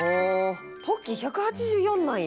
ポッキー１８４なんや！